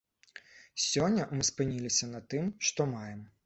Сёння мы спыніліся на тым, што маем.